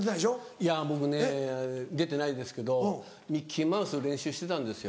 いや僕ね出てないですけどミッキーマウスの練習してたんですよ。